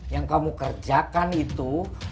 yang kamu kerjakan itu